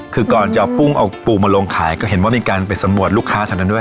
คือก่อนจะเอาปุ้งเอาปูมาลงขายก็เห็นว่ามีการไปสำรวจลูกค้าแถวนั้นด้วย